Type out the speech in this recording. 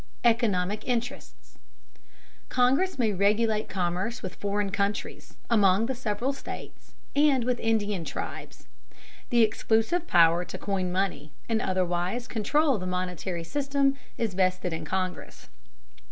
Economic interests. Congress may regulate commerce with foreign countries, among the several states, and with the Indian tribes. The exclusive power to coin money, and otherwise control the monetary system, is vested in Congress.